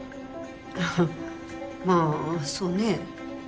ああまあそうね。